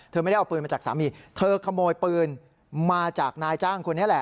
ไม่ได้เอาปืนมาจากสามีเธอขโมยปืนมาจากนายจ้างคนนี้แหละ